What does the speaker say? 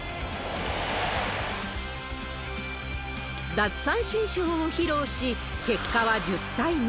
奪三振ショーを披露し、結果は１０対２。